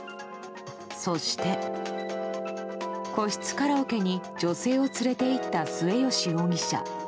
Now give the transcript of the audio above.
そして個室カラオケに女性を連れて行った末吉容疑者。